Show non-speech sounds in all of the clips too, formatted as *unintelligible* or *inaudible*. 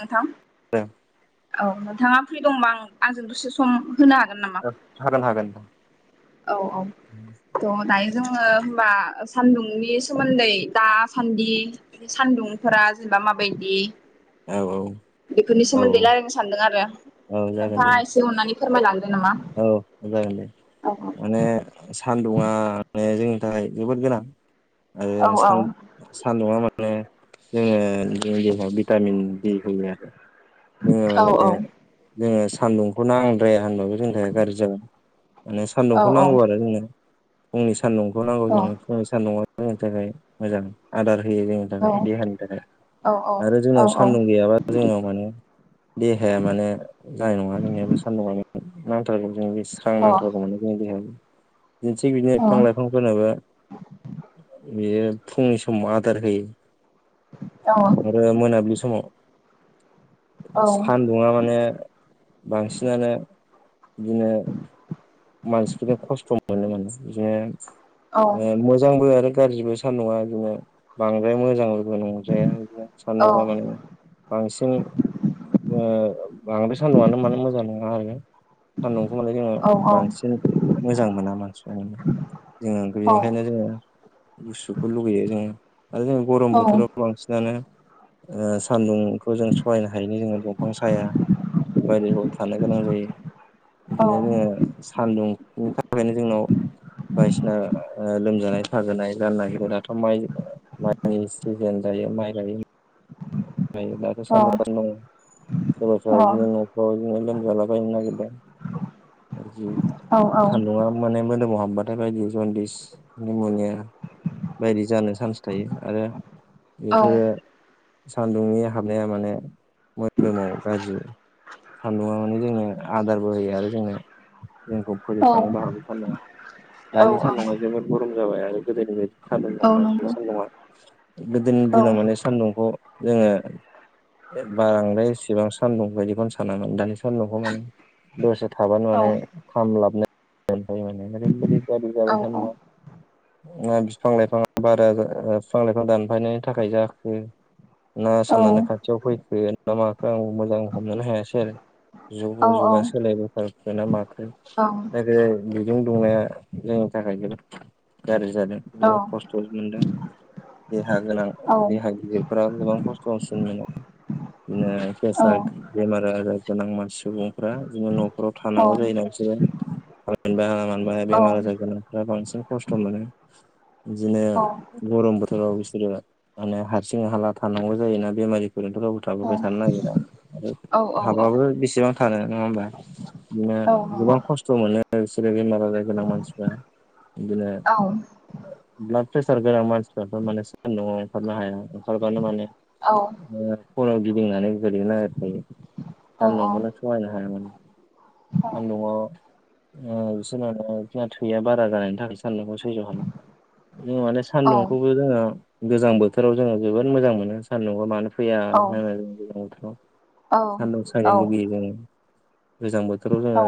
नोंथां *unintelligible* औ नोंथाङा फ्रि दंबा आं आंजों दसे सम होनो हागोन नामा। हागोन हागोन औ औ। थ' दायो जोङो होमबा सान्दुंनि सोमोन्दै दा सान्दि सान्दुंफोरा जेनेबा माबायदि। औ औ। बेफोरनि औ सोमोन्दै रायलायनो सानदों आरो औ जागोन दे नोंथाङा एसे अननानै। फोरमायलांदो नामा औ जागोन दे औ माने सानदुंआ माने जोंनि थाखाय जोबोद गोनां औ आरो औ सान। सान्दुंङा माने जोङो जोंनि देहाव भिटामिन दि होयो आरो। जोङो औ माने जोङो सान्दुंखौ नांद्राया होनबाबो जोंनि थाखाय गाज्रि जागोन। माने औ सान्दुंखौ नांगौ आरो जोंनो फुंनि सान्दुंखौ नांगौ औ जोंनो फुंनि सान्दुंआव जोंनि थाखाय मोजां आदार होयो जोंनो औ थाखाय देहानि थाखाय औ आरो अ औ जोंनाव सान्दुं गैयाबा जोंनाव माने देहाया माने जानाय नङा नोंनियाबो सान्दुङा नांथारगौ जों बे स्रां नांथारगौ मानि जोंनि देहायाव *unintelligible* थिग बिदिनो बिफां लाइफां फोरनोबो बियो फुंनि समाव आदार होयो। आरो मोनाबिलि समाव सान दुङा माने बांसिनानो बिदिनो मानसिफोरनि खस्थ' मोनो *unintelligible* बिदिनो औ ओ मोजांबो आरो गाज्रिबो सान्दुङा इदिनो बांद्राय मोजां बो नंद्राया बिदिनो सान्दुंआ माने बांसिन ओ बांद्राय सान्दुंआनो माने मोजां नङा आरो। सान्दुंखौ माने जोङो बांसिन मोजां मोना मानसिफ्रा माने जोङो बेनिखायनो जोङो गुसुखौ लुगैयो जोङो आरो जोङो गरम बोथोराव बांसिन दानो ओ सान्दुंखौ जों सहायनो हायिनि जोङो दंफां साया। बायह्रायाव थानो गोनां जायो। बिदिनो जोङो सानदुंनि थाखायनो जोंनाव बायदिसिना ओ लोमजानाय साजानाय *unintelligible* माइनि सिजोन जायो माइ गायो। *unintelligible* *unintelligible* सोरबा सोरबा बिदिनो न'फ्राव बिदिनो लोमजालाबायनो नागिरबाय। जि औ औ सान्दुङा माने मोदोमाव हाबबाथाय बायदि जन्दिस निम'निया। बायदि जानो चान्स थायो आरो औ नंगौ औ नंगौ औ बेफोरो सान्दुंनि हाबनाया माने मोदोमाव गाज्रि सान्दुंङा माने जोंनो आदारबो होयो आरो जोंनो जोंखौ फैजों थांनोबो हागौ सान नङा दानि सान नङा जोबोद गरम जाबाय आरो गोदोनि बायदि सान्दुं दङ आरो बे सान्दुंङा गोदोनि दिनाव माने सान्दुंखौ जोङो ए बार बांद्राय एसेबां सान्दुं बायदिखौनो सानामोन दानि सान्दुंखौ माने दसे थाबानो माने खामलाबनो *unintelligible* माने ओरैबायदि गाज्रि जाबाय सान्दुंआ ना बिफां लाइफाङा बारा ओ बिफां लाइफां दानफायनायनि थाखाय जाखो ना साननानै खाथियाव फैखो ना माखो आं मोजां हमनो हायासै आरो जुग' जुगा सोलायबोथारगोना माखो न बेजों दंनाया जोंनि थाखाय जोबोद गाज्रि जादों बिदोनो खस्थ' मोनदों देहा गोनां देहा गिदिरफोरा गोबां खस्थसिन मोनो बिदिनो फ्रेसार बेमार आजार गोनां मान सुबुंफ्रा बिदि न' न'खराव थानांगौ जायो ना बिसोरो हालबाय हालामानबाय बेमार आजारोना फ्रा बांसिन खस्थ' मोनो इदिनो गरम बोथोराव बिसोरो माने हारसिं हाला थानांगौ जायोना बेमारिफोरथ रावबो गथाबाय थानो नागिरा आरो हाबाबो बेसेबां थानो नङा होमबा बिदिनो गोबां खस्थ' मोनो बिसोरो बेमार आजार गोनां मानसिफ्रा बिदिनो औ ब्लद प्रेसार गोनां मानसिफोरा माने सानदुंआव ओंखारनो हाया ओंखारबानो माने औ ओ खर' गिदिंनानै गोलैनो नागिरखायो औ सान्दुंखौनो सहायनो हाया मानो। सान्दुंङाव ओ *unintelligible* थैया बारा जानायनि थाखाय सान्दुंखौ जों माने सान्दुंखौबो जोङो गोजां बोथोराव जोङो जोबोद मोजां मोनो सान्दुंआव मानो फैया जा जों गोजां बोथोराव सानदुं सायनो लुुबैयो जङ गोजां बोथोराव जोङो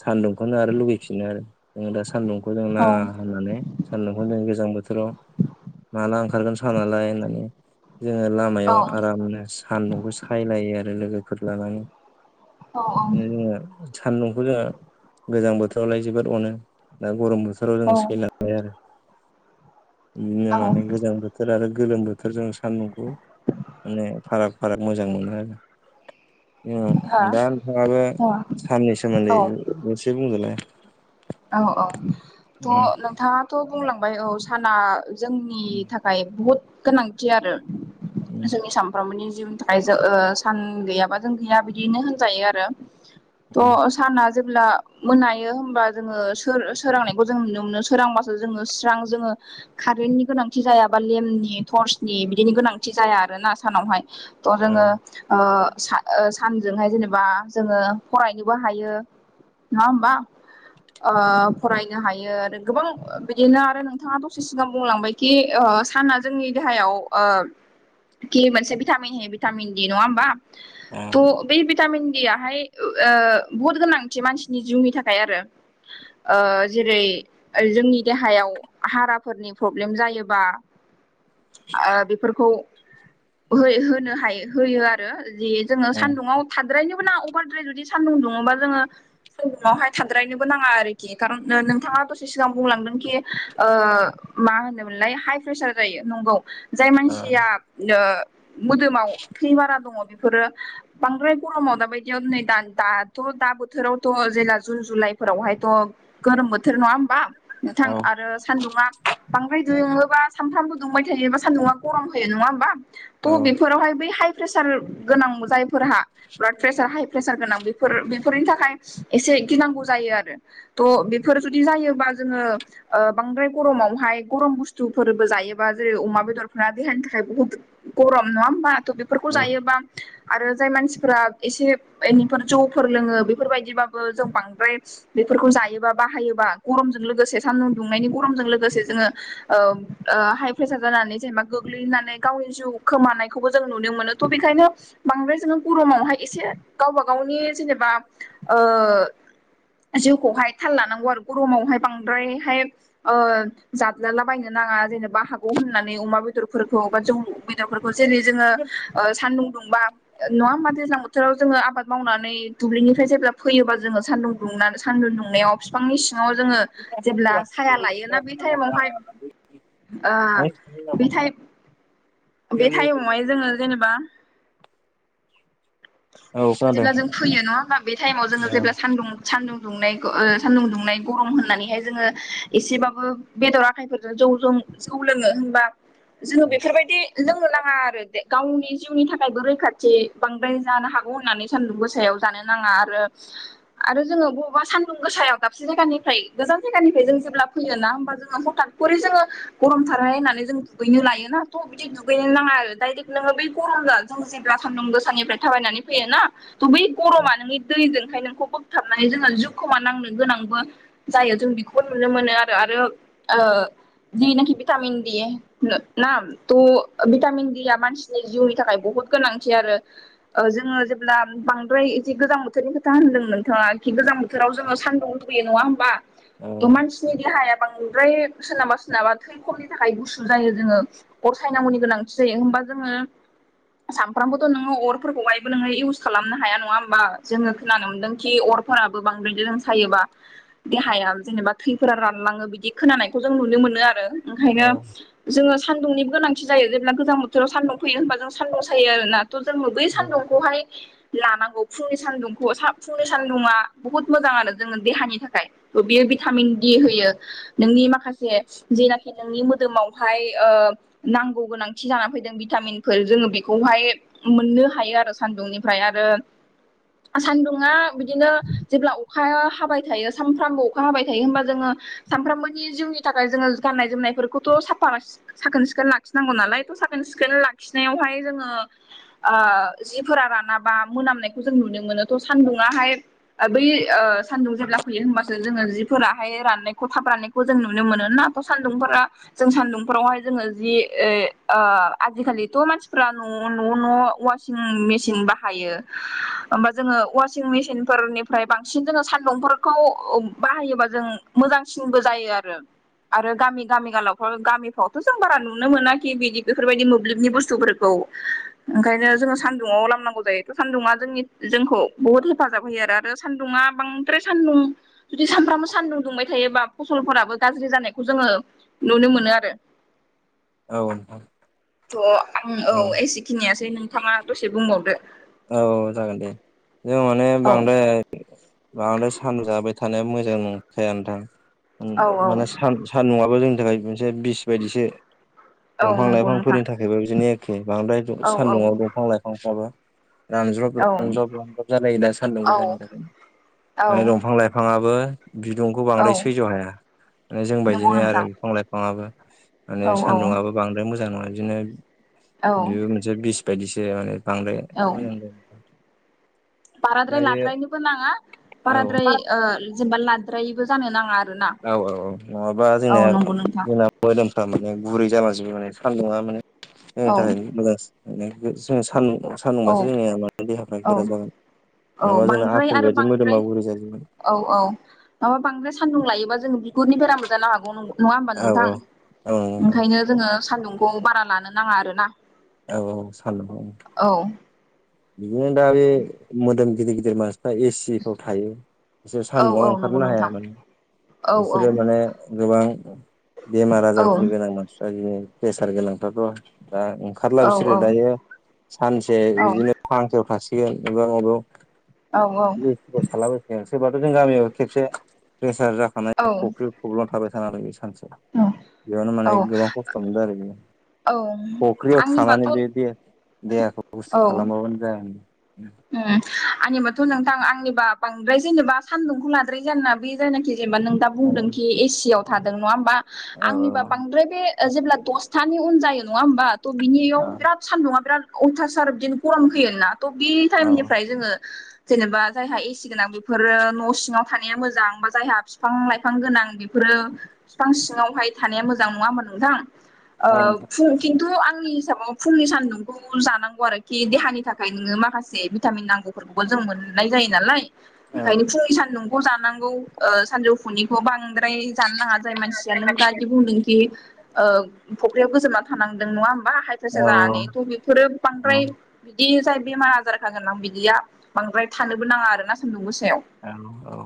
सान्दुंखौनो आरो लुगैफिनो आरो जों दा सान्दुंखौ जों नाङा होननानै सानदुंखौ जों गोजां बोथोराव माला ओंखारगोन सानालाय होननानै जोङो लामायाव आरामनो सान्दुंखौ सायलायो आरो लोगोफोर लानानै ए सान्दुंखौ जोंहा गोजां बोथोरावलाय जोबोद अनो दा गरम बोथोराव जों सैला ओर बिदिनो माने गोजां बोथोर आरो गोलोम बोथोरजों सान्दुंखौ माने फाराग फाराग मोजां मोनो। दा नोंथाङाबो साननि सोमोन्दै दसे बुंदोनाय औ औ थ' उम नोंथाङा थ' बुंलांबाय औ साना जोंनि थाख बुहुद गोनांथि आरो उम जोंनि सामफ्रामबोनि जि जाय ओ सान गैयाबा जों गैया बिदिनो होनजायो आरो उम थस साना जेब्ला मोनायो होमबा जोङो सो-सोरांनायखौ जों नुनो मोनो सोरांबासो जोङो स्रां जोङो कारेन्टनि गोनांथि जायाबा लेम्पनि टर्सनि बिदिनि गोनांथि जाया आरोना सानाव हाय थ' औ जोङो ओ सा-सानजोंहाय जेनेबा जोङो फरायनोबो हायो। नङा होमबा ओ फरायनो हायो आरो गोबां बिदिनो आरो नोंथाङा दसे सिगां बुंलांबाय कि ओ साना जोंनि देहायाव ओ कि मोनसे भिटामिन हो भिटामिन दि नङा होमबा *unintelligible* थ' बे भिटामिन दि याहाय ओ बुहुद गोनांथि मानसिनि जिउनि थाखाय आरो। ओ जेरै जोंनि देहायाव हाराफोरनि प्रब्लेम जायोबा आ बेफोरखौ होनो हायो होयो आरो जि जोङो उम सान्दुुंआव थानद्रायनोबो नाङा अभारद्राय जुदि सान्दुं दुङोबा जोङो सान्दुुङाव हाय थाद्रायनोबो नाङा आरोखि। खारन नोंथाङा दसे सिगां बुंलांदों कि ओ मा होनोमोनलाय हाइ प्रेसार जायो नंगौ। जाय औ मानसिया ओ मोदोमाव थै बारा दङ बेब फोरो बांद्राय गरमाव दाबायदियाव नै दा दाथ' दा बोथोरावथ' जेला जुन जुलाइ फोराव हायथ' गोरोम बोथोर नङा होमबा नोंथां औ आरो सान्दुङा बांद्राय दुुङोबा सानफ्रामबो दुंबाय थायोबा सान्दुङा गरम होयो नङा होमबा थ' बेब औ फोरावहाय बै हाइ प्रेसार गोनां जायफोरहा ब्लाद प्रेसार हाइ प्रेसार गोनां बेफोर बेफोरनि थाखाय एसे गिनांगौ जायो आरो। थ' बेफोर जुदि जायोबा जोङो बांद्राय गरमावहाय गरम बुस्थुफोरबो जायोबा जेरै अमा बेदरफोरा देहानि थाखाय बुहुद गरम नङा होमबाथ' बेफोरखौ औ जायोबा आरो जाय मानसिफोरा एसे इनैफोर जौफोर लोङो बेफोर बायदिबाबो जों बांद्राय बेफोरखौ जायोबा बाहायोबा गरमजों लोगोसे सानदुं दुंनायनि गरमजों लोगोसे जोङो औ ओ हाइ प्रेसार जानानै जेनेबा गोग्लैनानै गावनि जिउ खोमानायखौबो जों नुनो मोनो। थ' बेखायनो बांद्राय जोङो गरमावहाय एसे गावबा गावनि जेनेब बा ओ जिउखौहाय थाल लानांगौ आरो गरमावहाय बांद्रायहाय ओ जाल्दालाबायायनो नाङा जेनेबा हागौ होननानै अमा बेदरफोरखौ बा जौ दाफोरखौ जेरै जोङो सान्दुं दुंबा नङा होमबा दैज्लां बोथोराव जोङो आबाद मावनानै दुब्लिनिफ्राय जेब्ला फैबा जोङो सान्दुं दुंनानै सान्दुं दुंनायाव बिफांनि सिङाव जोङो जेब्ला साया लायोना बे टाइमावहाय ओ बेटाइ बे टाइमावहाय जोङो जेनेबा खोनादों जेब्ला जों फैयो नङा होमबा बे टाइमाव जोङो जेब्ला औ सानदुं सान्दुं दुंनाय ग ओ सानदुं दुंनाय गरम होननानैहाय जोङो एसेबाबो बेदर आखाइफोरजों जौ जों जौ लोङो नङा होनबा। जोङो बेफोरबायदि लोंनो नाङा आरो बे गावनि जिउनि थाखायबो रैखाथि बांद्राय जानो हागौ होननानै सानदुं गोसायाव जानो नाङा आरो आरो जोङो बबावबा सानदुं गोसायाव दाबसे जायगानिफ्राय गोजान जायगानिफ्राय जों जेब्ला फैयो ना होमब्ला जोङो हटाथ खरै जोङो गरमथानाय होननानै जों दुगैनो लाय नाथ' बिदि दुगैनो नाङा आरो डायरेक्ट नोङो बै गरम जानो जों जेब्ला सान्दुं गोसानिफ्राय थाबायनानै फैयोना थ' बै गरमा नोंनि दैजोंहाय नोंखौ बोग थाबनानै जोङो जिउ खोमा नांनो गोनांबो जायो जों बेखौबो नुनो मोनो आरो आरो ओ जिनाखि भिटामिन दि ना थ' भिटामिन डिया मानसिनि जिउनि थाखाय बहुत गोनांथि आरो। ओ जोङो जेब्ला बांद्राय एदि गोजां बोथोरनि खोथा होनदों नोंथाङा खि गोजां बोथोराव जोङो सानदुं होयो नङा होमबा औ थ' मान जोंनि देहाया बांद्राय सोरनाबा सोरनाबा थै खमनि थाखाय गुसु जायो जोङो। अर सायनांगौनि गोनांथि जायो होमबा जोङो सानफ्रामबोथ' नोङो अर फोरखौहायबो नोङो इउस खालामनो हाया नङा होमबा। जोङो खोनानो मोनदोंखि अरफोराबो बांद्राय जों सायोबा देहाया जेनेबा थैफोरा रानलाङो बिदि खोनानायखौ जों नुनो मोनो आरो औ ओंखायनो जोङो सान्दुंनिबो गोनांथि जायो। जेब्ला गोजां बोथोराव सान्दुं फैयो होनबा जों सान्दुं सायो आरोना थ' जोंङो बै सान्दुंखौहाय लानांगौ फुंनि सान्दुंखौ सा फुंनि सानदुंङा बुहुत मोजाङानो जोंनि देहानि थाखाय। बेयो भिटामिन डि होयो। नोंनि माखासे जेनाखि नोंनि मोदोमावहाय ओ नांगौ गोनांथि जा फैदों भिटामिनफोर जोङो बेखौहाय मोननो हायो आरो सान्दुंनिफ्राय आरो सान्दुंङा बिदिनो जेब्ला अखाया हाबाय थायो सानफ्रामबो अखा हाबाय थायो होमबा जोङो सानफ्रामबोनि जिउनि थाखाय जोङो गाननाय जोमनायफोरखौथ' साफा लाखि साखोन सिखोन लाखिनांगौ नालाय थ' साखोन सिखोन लाखिनायावहाय जोङो ओ जिफोरा रानाबा मोनामनायखौ जों नुनो मोनो थ' सान्दुङाहाय आ बै ओ सान्दुं जेब्ला फैयो होमबासो जोङो जिफोराहाय राननायखौ थाब राननायखौ खौ जों नुनो मोनो ना थ' सान्दुंफोरा जों सानदुंफोरावहाय जोङो जि ए ओ आजिखालिथ' मानसिफ्रा न' न' न' अवास सिगां मेचन बाहायो होमबा जोङो अवासिं मेसिन फोरनिफ्राय बांसिन जोङो सानदुंफोर खौ बाहायोबा जों मोजांसिनबो जायो आरो। आरो गामि गामि गालावफ्राव गामिफ्रावथ' जों बारा नुनो मोनाखि बिदि बेफोरबायदि मोब्लिबनि बुस्थुफोर ओंखायनो जोंङो सान्दुङाव लामनांगौ जायो सान्दुङा जोंनि जोंखौ बुहुद हेफाजाब होयो आरो सान्दुङा बां ब्राय सान्दुं जुदि सानफ्रामबो सान्दुं दुंबाय थायोबा फसलफोराबो गाज्रि जानायखौ जोङो नुनो मोनो आरो। औ नोंथां थ' आं औ एसेखिनियानोसै नोंथाङा दसे बुंबावदो औ जागोन दे जों माने औ बांद्राय बांद्राय सान जाबाय थानाया मोजां नंखाया नोथां औ औ माने सान सान्दुङाबो जोंनि थाखाय मोनसे बिस बायदिसो। औ दंफां नंगौ नोंथां लाइफांफोरनि थाखायबो बिदिनो एखे बांद्राय दुं औ औ सान्दुआव दंफां लाइफांफ्राबो रानजब औ रानजब रानजब जालायो दा सान्दुं औ गोसानि थाखाय मफ्राय औ दंफां लाइफाङाबो बिदुंखौ बांद्राय सैज' हाया नंगौ जोंबायदिनो आरो नोंथां बिफां लाइफाङाबो औ माने औ सान्दुंआबो बांद्राय मोजां नङा बिदिनो औ बेबो मो जो बिस बायदिसो माने बांद्राय औ मोजां जायो बाराद्राय लाद्रायनोबो नाङा औ बाराद्राय जेनेबा लाद्रायैबो जानो नाङा आरो। औ औ औ नङाबा जोंङो नोंथां जोंना मोदोमफ्रा माने गुरै जाबा जोबो माने सान्दुंङा माने जनि औ थाखाय मोजां मा जों सानदुं औ सानदुंबासो जोंनिया मे देहाफ्रा औ गोरा जागोन औ नङाबा जोंना बांद्राय आपेल आरो बायदि बांद्राय मोदोमाव गुरै जोगोन। औ औ माबा बांद्राय सान्दुं लायोबा जों बि गुरनि बेरामबो जानो हागौ नङा होमबा औ नोंथां औ औ नोंथां ओंखायनो जोङो सान्दुंखौ बारा लानो नाङा आरोना। औ औ सान औ औ। बिदिनो दा बे मोदोम गिदिर गिदिर मानसिफ्रा एसे जिफ्राव थायो बिसोर औ औ सान्दुंआव नंगौ ओंखारनो नोंथां हाया माने औ औ बिसोरो माने गोबां बेमार औ आजारफोर गोनांमोन। आर नों प्रेसार गोनांफ्राथ' दा ओंखारला औ बिसोरो दायो सानसे औ बिदिनो फाहामथाय थासिगोन बबा अबाव औ औ। थालाबायोखायो सोरबाथ' जों गामियाव खेबसे प्रेसार जाखानाय औ फुख्रि प्रब्लेमाव थाबाय थानाय आरो बे सानसेयाव औ बेयावनो माने औ गोबां खस्थ' मोनदों आरो बियो। औ फख्रियाव थानानै आंनिबाथ' बे औ देहा देहाखौ गुसु उम खालामोमोननो। आंनिबाथ' नोंथां आंनिबा बांद्राय जेनेबा सान्दुंखौ लाद्राय जाना बे जायनाखि जेनेबा नोंथ' औ बुंदोंखि एसि आव थादों नङा होमबा औ आंनिबा बांद्राय बे ओ जेब्ला दसथानि उन जायो नङा होमबा त' बिनियाव बिराद सान्दुङा बिराद अयथासार बिदिनो गरम फैयो नाथ' बे औ टाइमनिफ्राय जोङो जेनेबा जायहा एसि गोनां बेफोरो न' सिङाव थानाया मोजां बा जायहा बिफां लाइ फां गोनां बेफोरो बिफां सिङावहाय थानाया मोजां नङा होमबा नोंथां? ओ औ फुं खिन्थु आंनि हिसाबाव फुंनि सान्दुंखौ जानांगौ आरोखि देहानि थाखाय नोङो माखासे जे भिटामिन नांगौफोरखोबो जों मोननाय जायो नालाय ओंखायनो फुंनि सान्दुं खौ जानांगौ ओ सानजौफुनिखौ बांद्राय जानो नाङा जाय मानसिया नों दानि बुंदोंखि ओ फख्रियाव गोजोबना थानांदों नङा होमबा हाइ प्रेसार जानानै औ थ' बेफोरो औ बांद्राय बिदि जाय बेमार आजार खागोन आं बिदिया बांद्राय थानोबो नाङा आरो ना सान्दुं गोसायाव। औ औ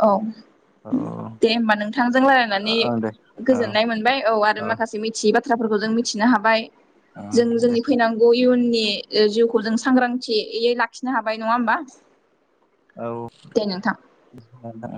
औ दे होमबा नोंथांजों रायलायनानै औ दे औ गोजोननाय मोनबाय औ आरो माखासे मिथियै बा थ्राफोरखौ जों मिथिनो हाबाय औ जों दे जोंनि फैनांगौ इयुननि ओ जिउखौ जों सांग्रां थियै लाखिनो हाबाय नङा होमबा? औ दे नोंथां *unintelligible*